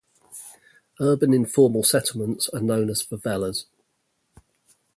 Urban informal settlements are known as favelas.